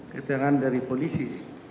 keterangan dari polisi